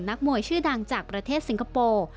นักมวยชื่อดังจากประเทศสิงคโปร์